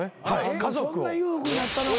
そんな裕福になったのか。